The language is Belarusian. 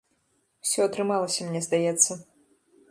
Усё атрымалася, мне здаецца.